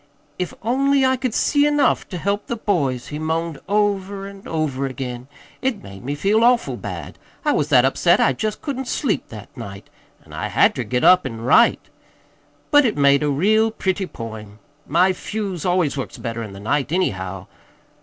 "'If only I could see enough ter help the boys!' he moaned over an' over again. It made me feel awful bad. I was that upset I jest couldn't sleep that night, an' I had ter get up an' write. But it made a real pretty poem. My fuse always works better in the night, anyhow.